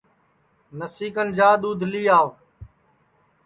نسی کن جا دؔودھ لی آو